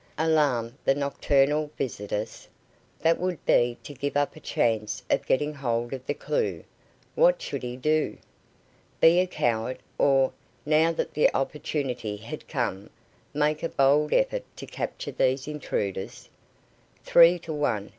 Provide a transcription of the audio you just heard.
Alarm the nocturnal visitors? That would be to give up a chance of getting hold of the clue. What should he do? Be a coward, or, now that the opportunity had come, make a bold effort to capture these intruders? Three to one.